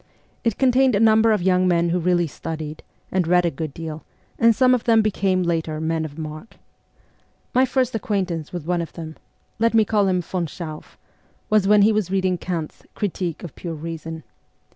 It contained a number of young men who really studied, and read a good deal ; some of them became, later, men of mark. My first acquaintance with one of them let me call him von Schauff was when he was reading Kant's ' Critique of Pure Reason.'